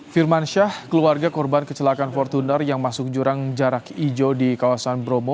firman syah keluarga korban kecelakaan fortuner yang masuk jurang jarak hijau di kawasan bromo